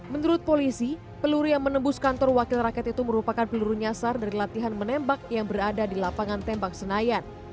menurut polisi peluru yang menembus kantor wakil rakyat itu merupakan peluru nyasar dari latihan menembak yang berada di lapangan tembak senayan